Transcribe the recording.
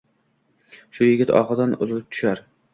Shu yigit ohidan uzilib tushar.